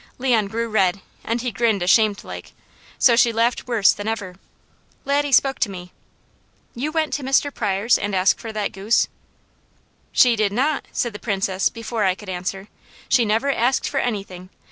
Leon grew red, and he grinned ashamed like, so she laughed worse than ever. Laddie spoke to me: "You went to Mr. Pryor's and asked for that goose?" "She did not!" said the Princess before I could answer. "She never asked for anything.